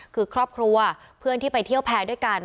คือครอบครัวเพื่อนที่ไปเที่ยวแพร่ด้วยกัน